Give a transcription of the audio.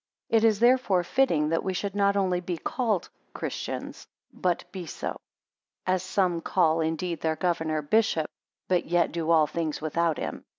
9 It is therefore fitting, that we should not only be called christians, but be so. 10 As some call indeed their governor, bishop; but yet do all things without him.